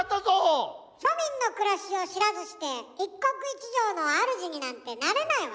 庶民の暮らしを知らずして一国一城の主になんてなれないわ！